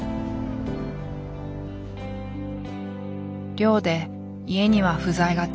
漁で家には不在がち。